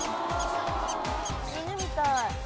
犬みたい。